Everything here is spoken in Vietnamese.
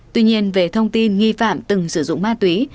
tuy nhiên về thông tin nghi phạm từng sử dụng ma túy